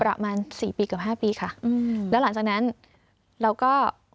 ประมาณ๔ปีกับ๕ปีค่ะแล้วหลังจากนั้นเราก็